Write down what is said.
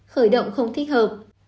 khởi động không thích hợp